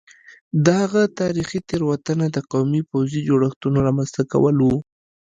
د هغه تاریخي تېروتنه د قومي پوځي جوړښتونو رامنځته کول وو